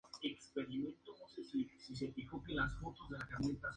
Usualmente tienen dos ajustes independientes: la presión de encendido y la presión de apagado.